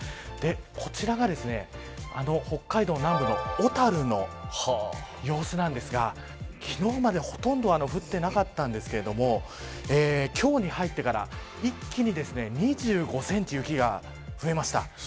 こちらが、北海道南部の小樽の様子なんですが昨日までほとんど降ってなかったんですけども今日に入ってから、一気に２５センチ雪が増えました。